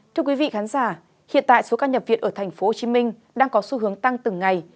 thưa quý vị khán giả hiện tại số ca nhập viện ở tp hcm đang có xu hướng tăng từng ngày